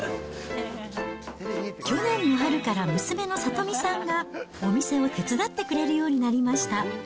去年の春から娘の智美さんがお店を手伝ってくれるようになりました。